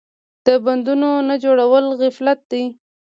د بندونو نه جوړول غفلت دی.